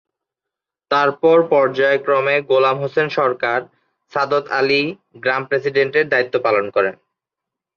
তারপর পর্যায়ক্রমে গোলাম হোসেন সরকার, সাদত আলী গ্রাম প্রেসিডেন্ট এর দায়িত্ব পালন করেন।